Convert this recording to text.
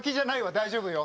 大丈夫よ。